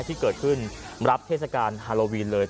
ที่เกิดขึ้นรับเทศกาลฮาโลวีนเลย